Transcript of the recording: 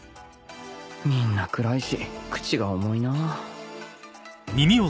みんな暗いし口が重いな